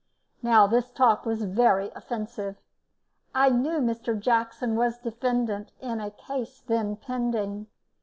Now this talk was very offensive. I knew Mr. Jackson was defendant in a case then pending.